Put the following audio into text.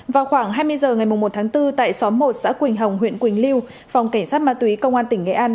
vào khoảng hai mươi h ngày một tháng bốn tại xóm một xã quỳnh hồng huyện quỳnh lưu phòng cảnh sát ma túy công an tỉnh nghệ an